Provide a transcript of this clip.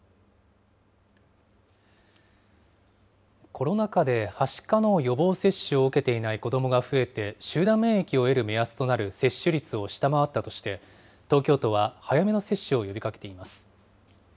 コロナ禍ではしかの予防接種を受けていない子どもが増えて、集団免疫を得る目安となる接種率を下回ったとして、東京都は早めの接種を呼びかけています。